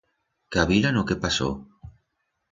Cavilan o qué pasó?